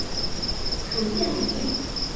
属犍为郡。